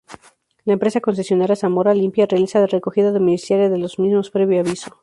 La empresa concesionaria Zamora Limpia realiza la recogida domiciliaria de los mismos previo aviso.